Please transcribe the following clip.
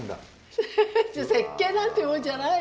設計なんてもんじゃない。